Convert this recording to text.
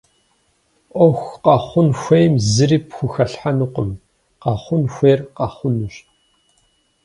Ӏуэху къэхъун хуейм зыри пхухэлъхьэнукъым - къэхъун хуейр къэхъунущ.